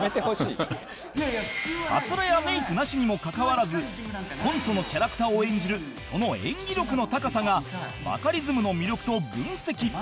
カツラやメイクなしにもかかわらずコントのキャラクターを演じるその演技力の高さがバカリズムの魅力と分析